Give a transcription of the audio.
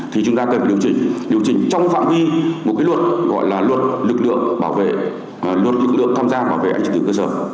thì chúng ta cần điều chỉnh trong phạm vi một cái luật gọi là luật lực lượng tham gia bảo vệ an ninh trật tự ở cơ sở